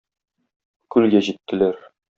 Күлгә җиттеләр.